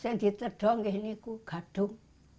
saya diperlukan saya bergaduh